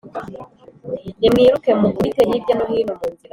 Nimwiruke mukubite hirya no hino mu nzira